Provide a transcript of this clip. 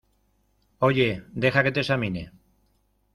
oye, deja que te examine.